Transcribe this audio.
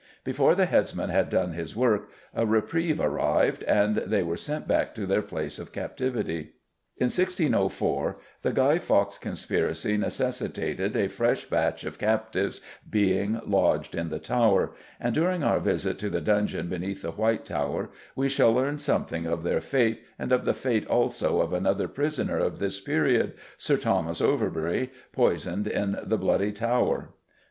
Before the headsman had done his work a reprieve arrived, and they were sent back to their place of captivity. In 1604 the Guy Fawkes conspiracy necessitated a fresh batch of captives being lodged in the Tower, and during our visit to the dungeons beneath the White Tower we shall learn something of their fate, and of the fate, also, of another prisoner of this period, Sir Thomas Overbury, poisoned in the Bloody Tower.